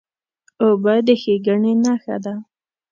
اوبه د ښېګڼې نښه ده.